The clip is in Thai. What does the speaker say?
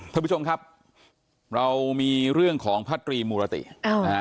ท่านผู้ชมครับเรามีเรื่องของพระตรีมูรตินะฮะ